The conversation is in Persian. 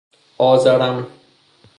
آزرم